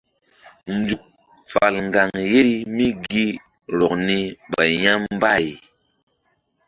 Nzuk fal ŋgaŋ yeri mí gi rɔk ni ɓay ya̧ mbay.